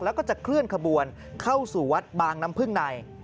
แล้วก็จะเคลื่อนขบวนเข้าสู่วัดบางน้ำพึ่งใน